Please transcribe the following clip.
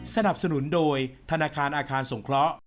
สนับสนุนโดยธนาคารอาคารสงเคราะห์